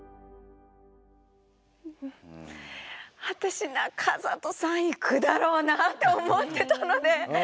私中里さん行くだろうなって思ってたので。